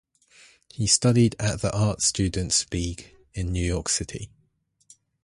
He studied at the Art Students League in New York City.